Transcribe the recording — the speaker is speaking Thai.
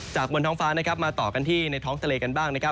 บนท้องฟ้ามาต่อกันที่ในท้องทะเลกันบ้างนะครับ